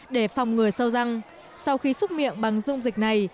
để phòng người sâu răng sau khi xúc miệng bằng dung dịch này